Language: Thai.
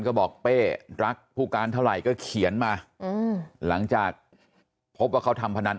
ก็บอกเป้รักผู้การเท่าไหร่ก็เขียนมาหลังจากพบว่าเขาทำพนัน